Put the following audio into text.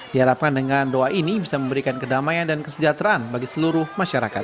diharapkan dengan doa ini bisa memberikan kedamaian dan kesejahteraan bagi seluruh masyarakat